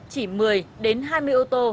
chỉ một mươi đến hai mươi ô tô